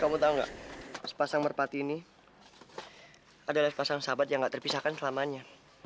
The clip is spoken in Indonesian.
kamu tahu nggak sepasang merpati ini adalah sepasang sahabat yang gak terpisahkan selamanya